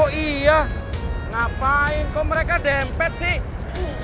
oh iya ngapain kok mereka dempet sih